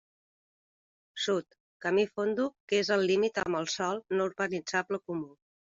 Sud: camí Fondo que és límit amb el sòl no urbanitzable comú.